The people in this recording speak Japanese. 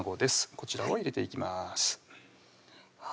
こちらを入れていきます